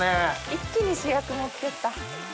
一気に主役持ってった。